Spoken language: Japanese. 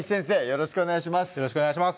よろしくお願いします